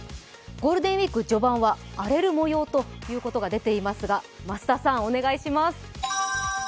ゴールデンウイーク序盤は荒れる模様ということが出ていますが、増田さん、お願いします。